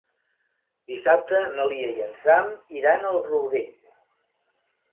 Dissabte na Lia i en Sam iran al Rourell.